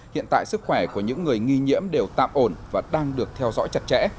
hiện tại sức khỏe của những người nghi nhiễm đều tạm ổn và đang được theo dõi chặt chẽ